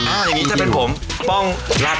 สวัสดีคร้าบ